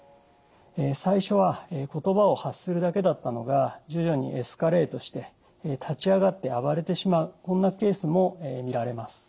最初は言葉を発するだけだったのが徐々にエスカレートして立ち上がって暴れてしまうこんなケースも見られます。